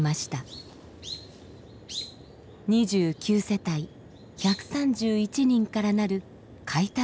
２９世帯１３１人からなる開拓